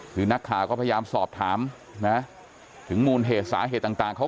คือนักข่าวก็พยายามสอบถามนะถึงมูลเหตุสาเหตุต่างเขา